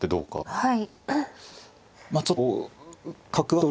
はい。